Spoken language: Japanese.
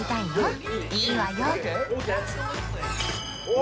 お！